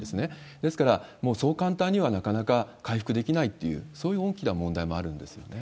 ですから、もうそう簡単にはなかなか回復できないっていう、そういう大きな問題もあるんですよね。